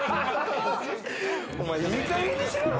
おまえ、いいかげんにしろよ！